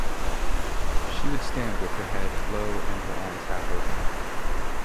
She would stand with her head low and her eyes half-opened.